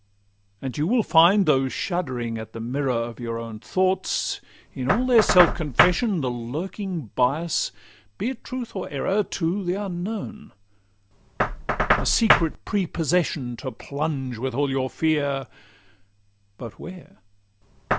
And you will find, though shuddering at the mirror Of your own thoughts, in all their self confession, The lurking bias, be it truth or error, To the unknown; a secret prepossession, To plunge with all your fears—but where?